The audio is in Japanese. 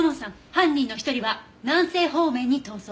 犯人の一人は南西方面に逃走。